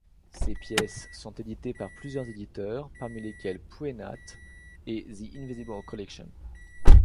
Ses pièces sont éditées par plusieurs éditeurs parmi lesquels Pouenat et The Invisible Collection.